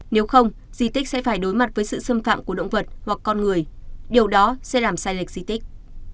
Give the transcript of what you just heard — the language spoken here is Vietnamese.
nếu không di tích sẽ phải đối mặt với sự xâm phạm của động vật hoặc con người điều đó sẽ làm sai lệch di tích